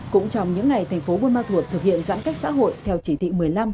cũng trong những ngày tp hcm thực hiện giãn cách xã hội theo chỉ thị một mươi năm